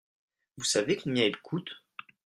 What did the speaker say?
Vous savez combien elle coûte ?